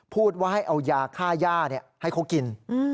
พูดว่าให้เอายาค่าย่าให้เขากิน